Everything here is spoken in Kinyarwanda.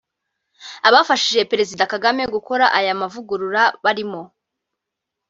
Abafashije Perezida Kagame gukora aya mavugurura barimo